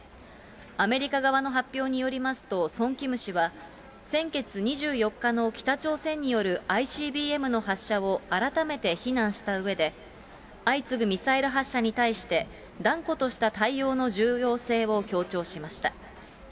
アメリカ側の発表によりますと、ソン・キム氏は先月２４日の北朝鮮によるＩＣＢＭの発射を改めて非難したうえで、相次ぐミサイル発射に対して、断固とした対応の重要性を強調しました。